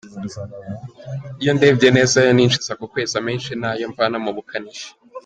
Iyo ndebye neza ayo ninjiza ku kwezi, amenshi ni ayo mvana mu bukanishi.